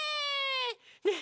ねえ！